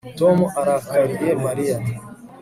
Tom arakariye Mariya